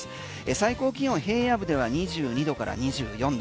最高気温は平野部では２２度から２４度。